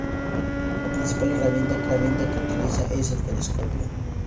La principal herramienta que utiliza es el telescopio.